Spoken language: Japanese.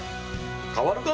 代わるか？